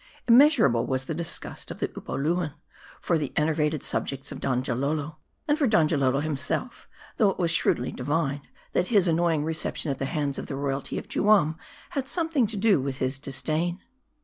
Immeasurable was the .disgust of the Upoluan for the enervated subjects of Donjalolo ; and for Donjalolo himself; though it was shrewdly divined, that his annoying reception at the hands of the royalty of Juam, had something to do with his disdain.